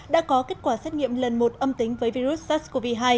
đã có kết quả xét nghiệm lần một âm tính với virus sars cov hai